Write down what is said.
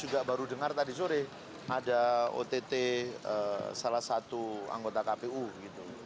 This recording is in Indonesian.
jadi baru dengar tadi sore ada ott salah satu anggota kpu gitu